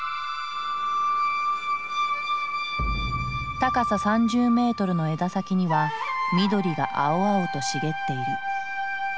高さ３０メートルの枝先には緑が青々と茂っている。